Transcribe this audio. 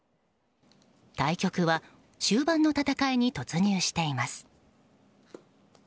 対局は終盤の戦いに突入しています。